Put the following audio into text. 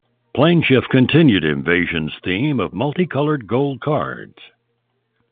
Planeshift continued Invasion's theme of multi-colored "gold" cards.